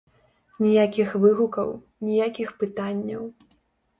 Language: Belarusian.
Ніякіх выгукаў, ніякіх пытанняў.